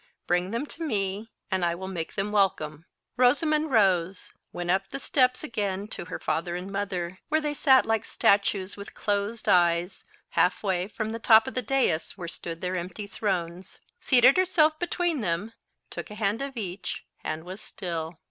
Bring them to me, and I will make them welcome." Rosamond rose, went up the steps again to her father and mother, where they sat like statues with closed eyes, half way from the top of the dais where stood their empty thrones, seated herself between them, took a hand of each, and was still.